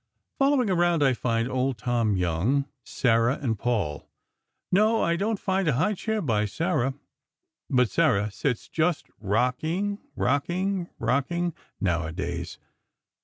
Following around I find Old Tom Young, Sarah, and Paul. No, I don't find a high chair by Sarah; but Sarah sits just rocking, rocking, rocking, now a days.